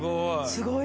すごい。